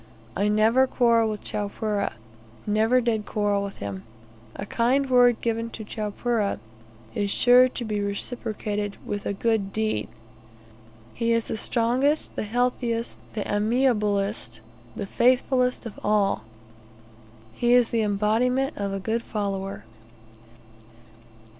I never quarrel with Chowpereh, never did quarrel with him. A kind word given to Chowpereh is sure to be reciprocated with a good deed. He is the strongest, the healthiest, the amiablest, the faithfulest of all. He is the embodiment of a good follower.